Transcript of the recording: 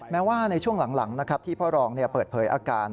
แม้ว่าในช่วงหลังนะครับที่พ่อรองเปิดเผยอาการ